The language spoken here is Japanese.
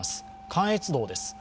関越道です。